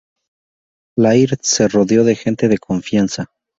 Laird se rodeó de gente de confianza.